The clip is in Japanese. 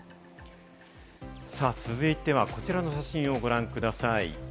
続いてはこちらの写真をご覧ください。